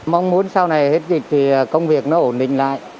mong muốn sau này hết dịch thì công việc nó ổn định lại